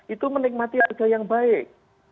itu menikmati harga yang baik